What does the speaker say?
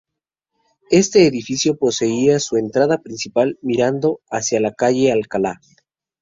Este edificio poseía su entrada principal mirando a la calle Alcalá.